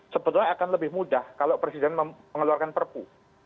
sebetulnya akan lebih mudah kalau presiden mengeluarkan perpu